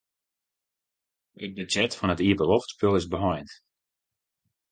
It budzjet fan it iepenloftspul is beheind.